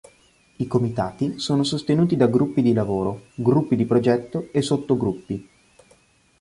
I comitati sono sostenuti da gruppi di lavoro, gruppi di progetto e sotto-gruppi.